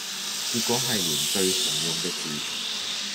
結果係連最常用嘅字